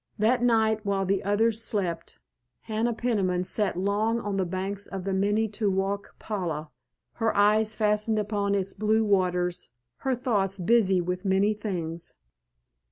That night while the others slept Hannah Peniman sat long on the banks of the Minne to wauk pala, her eyes fastened upon its blue waters, her thoughts busy with many things.